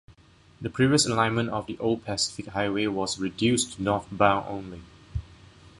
The previous alignment of the old Pacific Highway was reduced to northbound only.